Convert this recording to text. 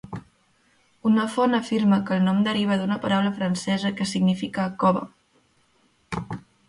Una font afirma que el nom deriva d'una paraula francesa que significa "cova".